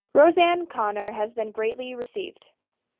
Roseanne Conner has been greatly received.